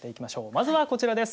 まずはこちらです。